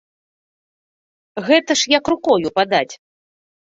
Гэта ж як рукою падаць.